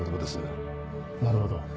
なるほど。